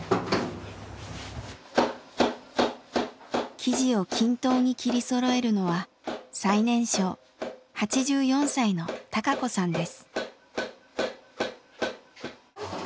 生地を均等に切りそろえるのは最年少８４歳の孝子さんです。